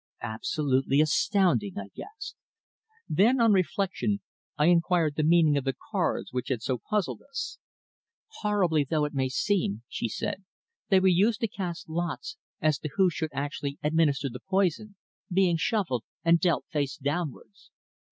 "Absolutely astounding!" I gasped. Then, on reflection, I inquired the meaning of the cards which had so puzzled us. "Horrible though it may seem," she said, "they were used to cast lots as to who should actually administer the poison, being shuffled and dealt face downwards.